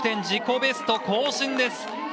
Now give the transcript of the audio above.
自己ベスト更新です！